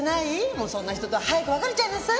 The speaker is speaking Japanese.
もうそんな人とは早く別れちゃいなさい。